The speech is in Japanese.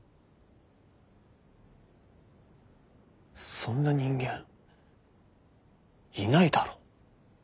そんな人間いないだろ。